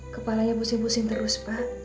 kepalanya busing busing terus pak